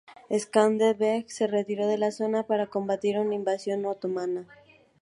Skanderbeg se retiró de la zona para combatir una invasión otomana.